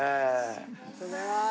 ありがとうございます。